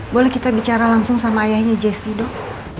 boleh kita bicara langsung sama ayahnya jessi dok